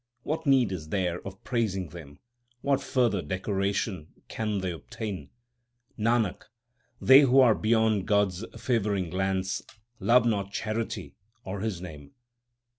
What need is there of praising them ? What further decoration can they obtain ? Nanak, they who are beyond God s favouring glance love not charity or His name.